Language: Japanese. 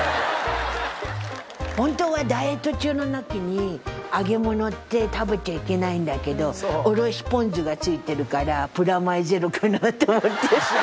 本当はダイエット中の時に揚げ物って食べちゃいけないんだけどおろしポン酢がついてるからプラマイゼロかなと思って。